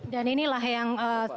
dan inilah yang